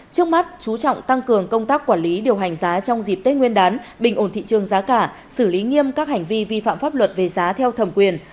trước mắt chú trọng tăng cường công tác quản lý điều hành giá trong dịp tết nguyên đán bình ổn thị trường giá cả xử lý nghiêm các hành vi vi phạm pháp luật về giá theo thẩm quyền